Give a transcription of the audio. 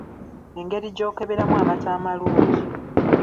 Engeri gy’okeberamu amata amalungi.